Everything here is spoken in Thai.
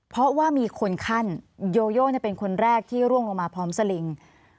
เพราะว่ามีคนขั้นโยโยเป็นคนแรกที่ร่วงลงมาพร้อมสลิง